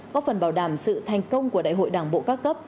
có phần bảo đảm sự thành công của đại hội đảng bộ các cấp